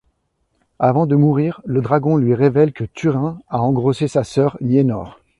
Avant de mourir, le dragon lui révèle que Túrin a engrossé sa sœur, Nienor.